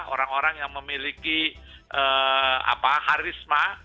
orang orang yang memiliki harisma